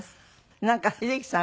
なんか英樹さん